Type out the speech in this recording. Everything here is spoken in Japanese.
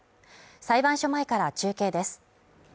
裁判所前から中継です。